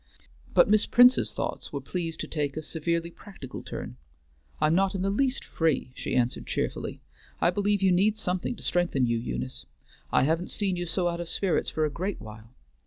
But Miss Prince's thoughts were pleased to take a severely practical turn: "I'm not in the least free," she answered cheerfully. "I believe you need something to strengthen you, Eunice. I haven't seen you so out of spirits for a great while.